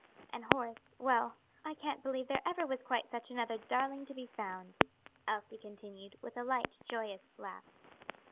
And Horace well, I can't believe there ever was quite such another darling to be found," Elsie continued, with a light, joyous laugh.